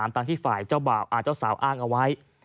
ตั้งที่ฝ่ายเจ้าบ่าวเจ้าสาวอ้างเอาไว้